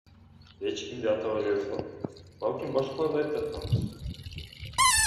Эч кимди атабай элебиз го, балким башкаларды айтып жатканбыз.